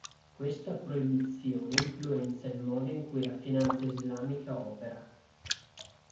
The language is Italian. Questa proibizione influenza il modo in cui la finanza islamica opera.